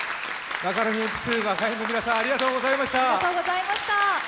マカロニえんぴつの皆さん、ありがとうございました。